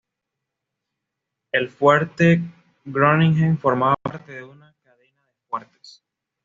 El Fuerte Groningen formaba parte de una cadena de fuertes.